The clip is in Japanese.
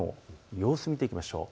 予想を見ていきましょう。